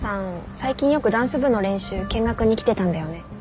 最近よくダンス部の練習見学に来てたんだよね？